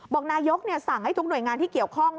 บอกนายกสั่งให้ทุกหน่วยงานที่เกี่ยวข้อง